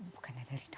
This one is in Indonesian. bukannya dari dokter